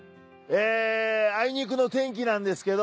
あいにくの天気なんですけど